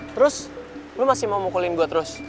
terus lo masih mau mukulin gue terus